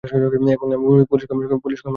এবং আমি পুলিশ কমিশনারকে এখনই এখানে চাই!